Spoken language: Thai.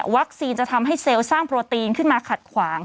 จะทำให้เซลล์สร้างโปรตีนขึ้นมาขัดขวาง